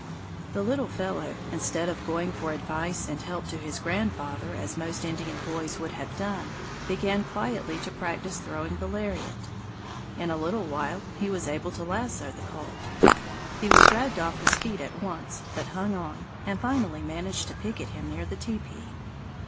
The little fellow, instead of going for advice and help to his grandfather, as most Indian boys would have done, began quietly to practice throwing the lariat. In a little while he was able to lasso the colt. He was dragged off his feet at once, but hung on, and finally managed to picket him near the teepee.